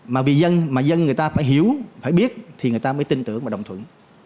mà vì dân mà dân người ta phải hiểu phải biết thì người ta mới tin tưởng và đồng thuận